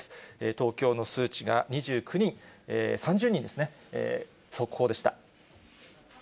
東京の数値が３０人ですね、速報でした。